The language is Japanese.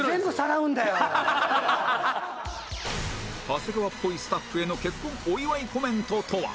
長谷川っぽいスタッフへの結婚お祝いコメントとは？